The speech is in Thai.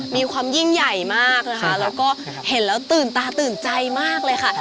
มีความยิ่งใหญ่มากนะคะแล้วก็เห็นแล้วตื่นตาตื่นใจมากเลยค่ะ